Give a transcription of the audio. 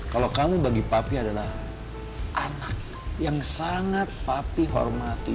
kalau kami bagi papi adalah anak yang sangat papi hormati